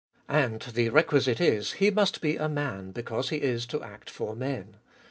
And the requisite is, he must be a man, because he is to act for men.